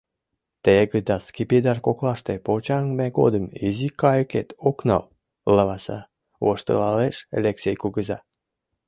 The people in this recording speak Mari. Тегыт да скипидар коклаште почаҥме годым изи кайыкет ок нал, лаваса, — воштылалеш Элексей кугыза.